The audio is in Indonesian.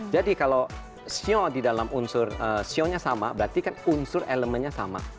jadi kalau sio di dalam unsur sionya sama berarti kan unsur elemennya sama